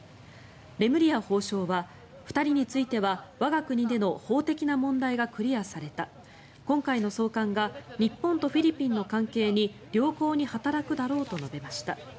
レムリヤ法相は２人については我が国での法的な問題がクリアされた今回の送還が日本とフィリピンの関係に良好に働くだろうと述べました。